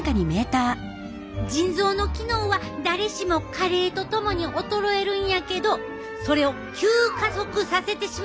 腎臓の機能は誰しも加齢と共に衰えるんやけどそれを急加速させてしまう可能性があんねん。